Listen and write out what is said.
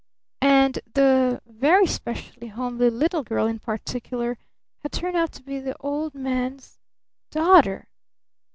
And the very specially homely little girl in particular had turned out to be the old man's daughter!